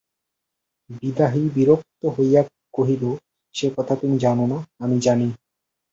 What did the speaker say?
বিহারী বিরক্ত হইয়া কহিল, সে কথা তুমি জান না, আমি জানি?